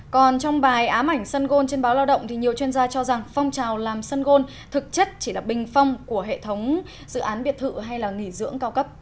còn trong bài ám ảnh sân gôn trên báo lao động thì nhiều chuyên gia cho rằng phong trào làm sân gôn thực chất chỉ là bình phong của hệ thống dự án biệt thự hay nghỉ dưỡng cao cấp